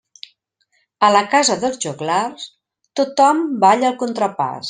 A la casa dels joglars, tothom balla el contrapàs.